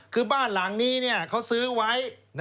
คือบ้านหลังนี้เขาซื้อไว้